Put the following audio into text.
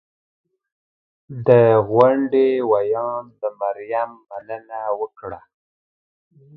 د غونډې ویاند له مریم مننه وکړه